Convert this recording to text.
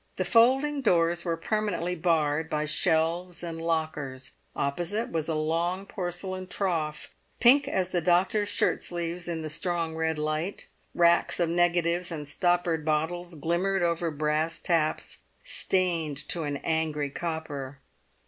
The folding doors were permanently barred by shelves and lockers; opposite was a long porcelain trough, pink as the doctor's shirt sleeves in the strong red light; racks of negatives and stoppered bottles glimmered over brass taps stained to an angry copper.